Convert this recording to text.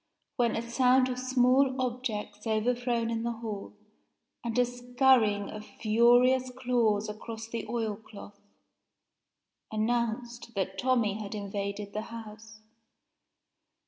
when a sound of small objects overthrown in the hall, and a scurrying of furious claws across the oil cloth, announced that Tommie had invaded the house.